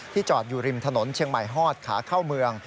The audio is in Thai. จอดอยู่ริมถนนเชียงใหม่ฮอดขาเข้าเมือง